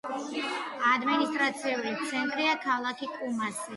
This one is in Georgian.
ადმინისტრაციული ცენტრია ქალაქი კუმასი.